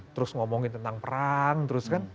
terus ngomongin tentang perang terus kan